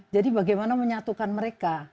jadi bagaimana menyatukan mereka